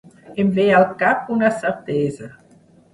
Em ve al cap una certesa.